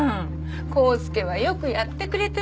康介はよくやってくれてましたよ。